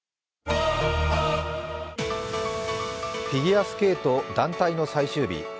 フィギュアスケート団体の最終日。